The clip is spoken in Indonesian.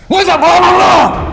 saya tidak mau bersama kamu